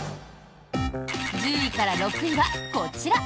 １０位から６位は、こちら。